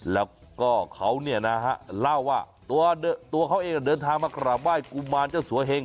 แล้วก็เขาเนี่ยนะฮะเล่าว่าตัวเขาเองเดินทางมากราบไหว้กุมารเจ้าสัวเฮง